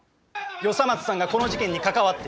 与三松さんがこの事件に関わっている。